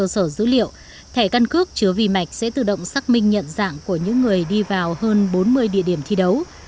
sở dữ liệu thẻ căn cước chứa vi mạch sẽ tự động xác minh nhận dạng của những người đi vào hơn bốn mươi địa điểm thi đấu